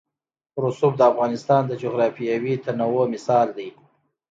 رسوب د افغانستان د جغرافیوي تنوع مثال دی.